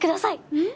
うん？